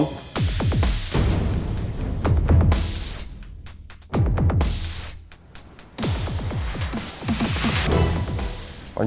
kita sudah bisa